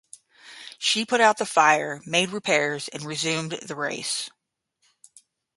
She put out the fire, made repairs and resumed the race.